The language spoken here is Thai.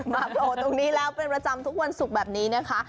โผล่ตรงนี้แล้วเป็นประจำทุกวันศุกร์แบบนี้นะคะ